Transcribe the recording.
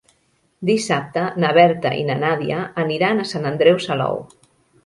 Dissabte na Berta i na Nàdia aniran a Sant Andreu Salou.